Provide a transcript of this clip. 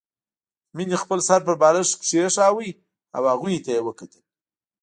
مينې خپل سر پر بالښت کېښود او هغوی ته يې وکتل